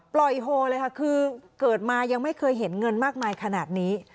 โฮเลยค่ะคือเกิดมายังไม่เคยเห็นเงินมากมายขนาดนี้